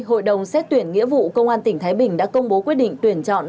hội đồng xét tuyển nghĩa vụ công an tỉnh thái bình đã công bố quyết định tuyển chọn